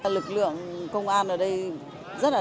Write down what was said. lực lượng công an ở đây rất là tốt